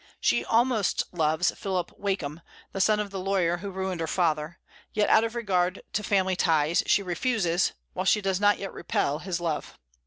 She almost loves Philip Wakem, the son of the lawyer who ruined her father; yet out of regard to family ties she refuses, while she does not yet repel, his love.